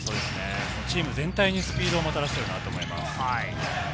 チーム全体にスピードをもたらしていると思います。